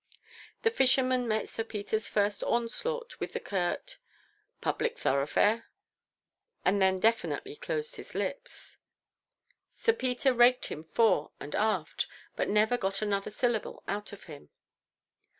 The fisherman met Sir Peter's first onslaught with a curt "Public thoroughfare," and then definitely closed his lips. Sir Peter raked him fore and aft, but never got another syllable out of him.